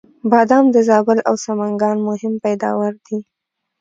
بادام د زابل او سمنګان مهم پیداوار دی